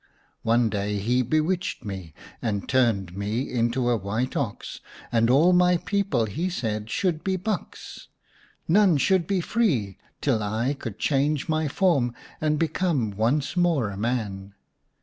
One day he bewitched me, and turned me into a white ox, and all my people, he said, should be bucks. None should be free till I could change my form and become once more a man.